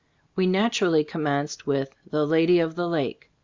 We nat urally commenced with "The Lady of the Lake."